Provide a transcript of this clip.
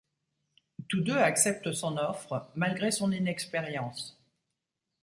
Tous deux acceptent son offre, malgré son inexpérience.